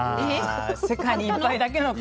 世界に１杯だけの「輝」。